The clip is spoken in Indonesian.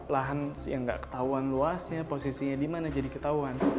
lahan yang nggak ketahuan luasnya posisinya di mana jadi ketahuan